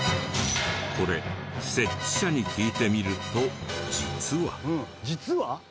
これ設置者に聞いてみると実は。